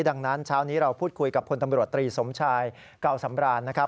ดังนั้นเช้านี้เราพูดคุยกับพลตำรวจตรีสมชายเก่าสำราญนะครับ